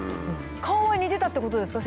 顔は似てたってことですか？